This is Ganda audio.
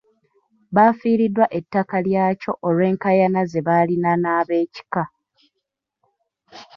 Bafiiriddwa ettaka lyakyo olw'enkaayana ze balina n'abeekika.